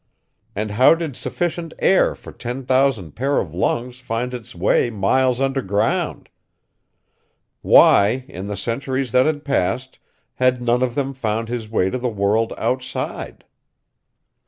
And how did sufficient air for ten thousand pairs of lungs find its way miles underground? Why, in the centuries that had passed, had none of them found his way to the world outside?